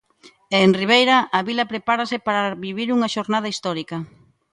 E en Ribeira, a vila prepárase para vivir unha xornada histórica.